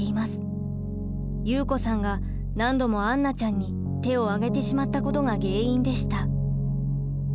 祐子さんが何度も杏奈ちゃんに手を上げてしまったことが原因でした。